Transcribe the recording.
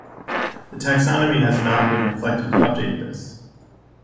The taxonomy has not been reflected to update this.